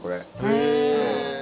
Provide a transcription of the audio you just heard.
へえ！